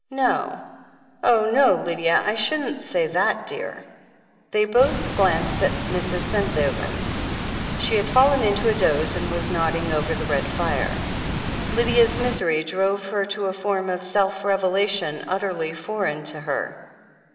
'No— oh, no, Lydia. I shouldn't say that, dear." They both glanced at Mrs. Senthoven. She had fallen into a doze, and was nodding over the red fire. Lydia's misery drove her to a form of self revelation utterly foreign to her.